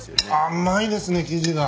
甘いですね生地が。